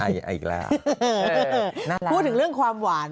อ่ะอีกแล้วอ่ะน่ารักนะครับพูดถึงเรื่องความหวาน